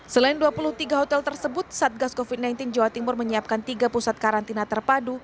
selain dua puluh tiga hotel tersebut satgas covid sembilan belas jawa timur menyiapkan tiga pusat karantina terpadu